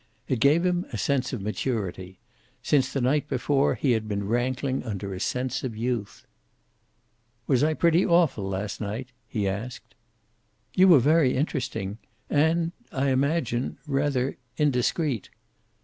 It gave him a sense of maturity Since the night before he had been rankling under a sense of youth. "Was I pretty awful last night?" he asked. "You were very interesting. And I imagine rather indiscreet."